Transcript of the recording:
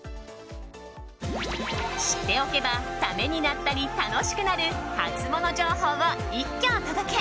知っておけばためになったり楽しくなるハツモノ情報を一挙お届け。